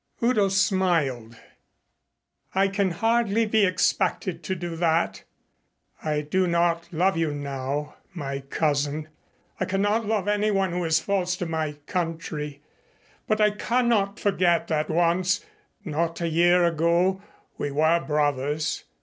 Udo smiled. "I can hardly be expected to do that. I do not love you now, my cousin. I cannot love anyone who is false to my country, but I cannot forget that once, not a year ago, we were brothers.